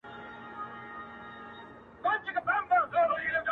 سر مي جار له یاره ښه خو ټیټ دي نه وي,